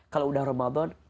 kalau udah ramadan